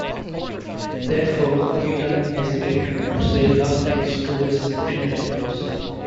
Therefore, he doesn't hesitate to say rough things to his team members.